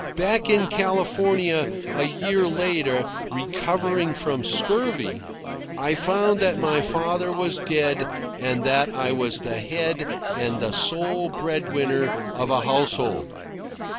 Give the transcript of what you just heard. Back in California a year later, recovering from scurvy, I found that my father was dead and that I was the head and the sole bread winner of a household.